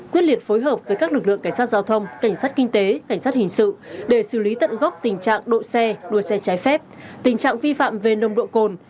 quyết liệt phối hợp với các lực lượng cảnh sát giao thông cảnh sát kinh tế cảnh sát hình sự để xử lý tận gốc tình trạng đội xe đua xe trái phép tình trạng vi phạm về nồng độ cồn